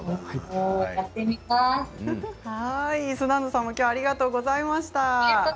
スザンヌさんもありがとうございました。